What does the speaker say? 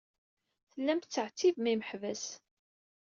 Tellam tettɛettibem imeḥbas.